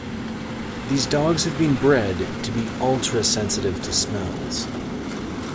These dogs have been bred to be ultra sensitive to smells.